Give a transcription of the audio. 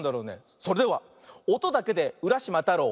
それでは「おとだけでうらしまたろう」